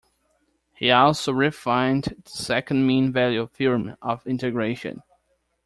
He also refined the second mean value theorem of integration.